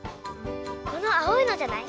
このあおいのじゃない？